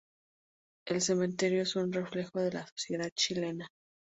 El cementerio es un reflejo de la sociedad chilena.